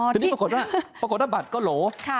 ทีนี้ปรากฏว่าปรากฏว่าบัตรก็โหล